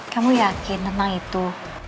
kamu yakin tentang itu